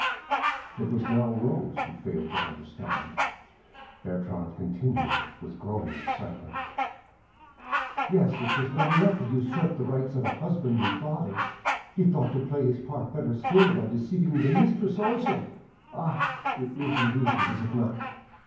It was now Rose who failed to understand; Bertrande continued, with growing excitement— "Yes, it was not enough to usurp the rights of a husband and father, he thought to play his part still better by deceiving the mistress also .... Ah! it is amusing, is it not?